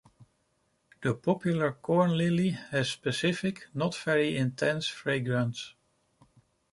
The popular corn lily has specific, not very intense fragrance.